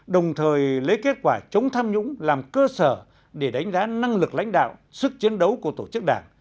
đồng thời lấy kết quả chống tham nhũng làm cơ sở để đánh giá năng lực lãnh đạo sức chiến đấu của tổ chức đảng